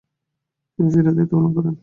তিনি সিরিয়ায় দায়িত্ব পালন করেন।